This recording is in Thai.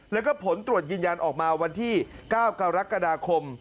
แล้วก็ผลตรวจยืนยันออกมาวันที่๙กรกฎาคม